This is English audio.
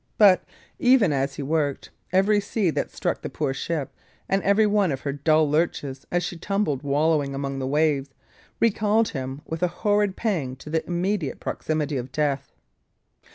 But, even as he worked, every sea that struck the poor ship, and every one of her dull lurches, as she tumbled wallowing among the waves, recalled him with a horrid pang to the immediate proximity of death.